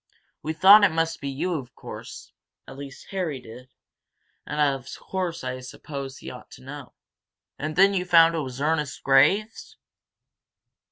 We thought it must be you, of course at least Harry did, and of course I supposed he ought to know." "And then you found it was Ernest Graves?"